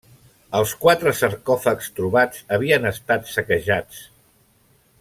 Els quatre sarcòfags trobats havien estat saquejats.